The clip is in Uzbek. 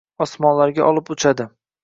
osmonlarga olib uchadi